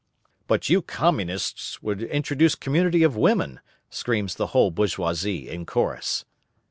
But you Communists would introduce community of women, screams the whole bourgeoisie in chorus.